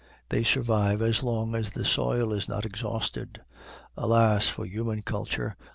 They survive as long as the soil is not exhausted. Alas for human culture!